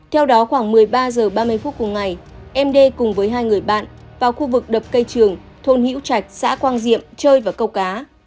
theo đó khoảng một mươi ba h ba mươi phút cùng ngày m d cùng với hai người bạn vào khu vực đập cây trường thôn hữu trạch xã quang diệm chơi và câu cá